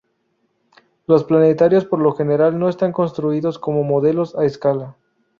Los planetarios por lo general no están construidos como modelos a escala.